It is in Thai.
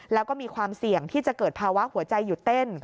แล้วก็มีความเสี่ยงที่จะเกิดภาวะหัวใจหยุดเต้น